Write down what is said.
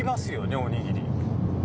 『おにぎり』。